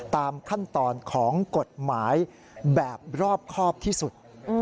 ตามขั้นตอนของกฎหมายแบบรอบครอบที่สุด